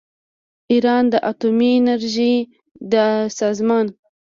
ایران د اتومي انرژۍ د سازمان